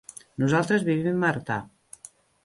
Nosaltres vivim a Artà.